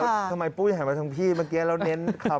เดี๋ยวทำไมปุ๊กอย่าแห่งมาทั้งพี่เมื่อกี้เราเน้นคำ